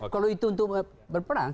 kalau itu untuk berperang